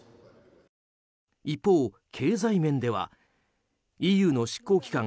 一方、経済面ではＥＵの執行機関